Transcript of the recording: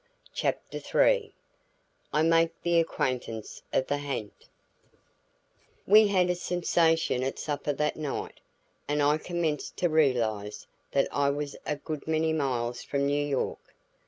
CHAPTER III I MAKE THE ACQUAINTANCE OF THE HA'NT We had a sensation at supper that night, and I commenced to realize that I was a good many miles from New York.